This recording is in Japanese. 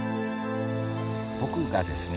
僕がですね